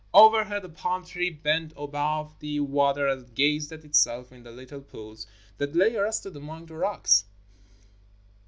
Overhead, a palm tree bent above the water and gazed at itself in the little pools that lay arrested among the rocks.